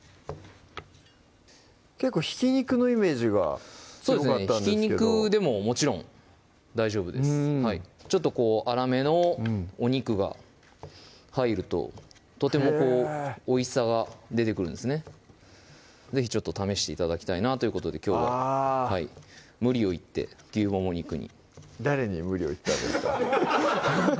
結構ひき肉のイメージが強かったんですけどひき肉でももちろん大丈夫ですちょっと粗めのお肉が入るととてもおいしさが出てくるんですね是非ちょっと試して頂きたいなということできょうは無理を言って牛もも肉に誰に無理を言ったんですか？